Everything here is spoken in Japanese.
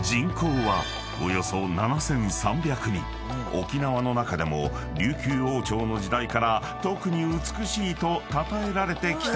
［沖縄の中でも琉球王朝の時代から特に美しいとたたえられてきた］